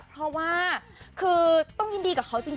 เพราะว่าคือต้องยินดีกับเขาจริง